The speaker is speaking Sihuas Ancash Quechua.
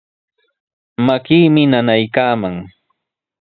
Makiimi nanaykaaman.